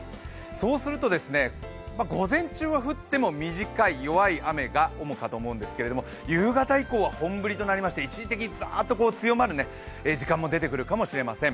そうするとですね、午前中は降っても短い弱い雨が主かと思うんですけども夕方以降は本降りとなりまして一時的にザーッと強まる時間も出てくるかもしれません。